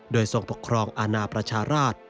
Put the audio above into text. โดยทรงปกครองอาณาประชาราช